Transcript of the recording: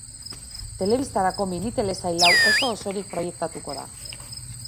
Telebistarako mini-telesail hau oso-osorik proiektatuko da.